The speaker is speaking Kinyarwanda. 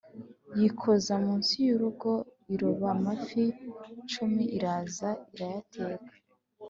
yikoza munsi y’urugo iroba amafi cumi iraza irayateka